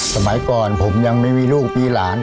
สมัยก่อนผมยังไม่มีลูกมีหลาน